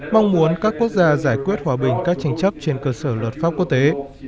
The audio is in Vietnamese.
mong muốn các quốc gia giải quyết hòa bình các tranh chấp trên cơ sở luật pháp quốc tế